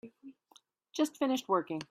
Just finished working.